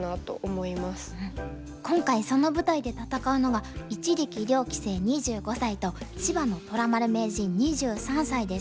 今回その舞台で戦うのが一力遼棋聖２５歳と芝野虎丸名人２３歳です。